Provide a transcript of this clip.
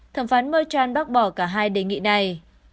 thẩm phán mechal bác bỏ cả hai đề nghị này